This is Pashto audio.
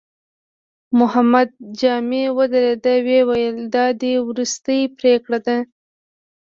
محمد جامي ودرېد، ويې ويل: دا دې وروستۍ پرېکړه ده؟